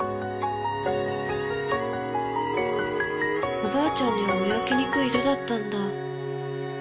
おばあちゃんには見分けにくい色だったんだ。